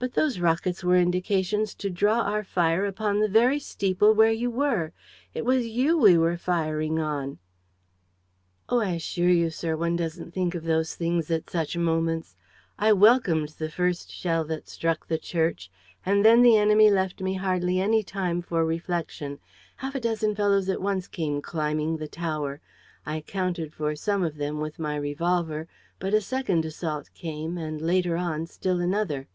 "But those rockets were indications to draw our fire upon the very steeple where you were! It was you we were firing on!" "Oh, I assure you, sir, one doesn't think of those things at such moments! I welcomed the first shell that struck the church. And then the enemy left me hardly any time for reflection. Half a dozen fellows at once came climbing the tower. I accounted for some of them with my revolver; but a second assault came and, later on, still another.